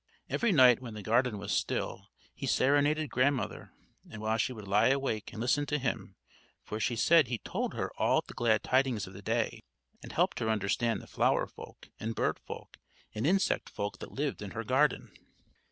Every night when the garden was still, he serenaded Grandmother; and she would lie awake and listen to him, for she said he told her all the glad tidings of the day, and helped her understand the flower folk and bird folk and insect folk that lived in her garden.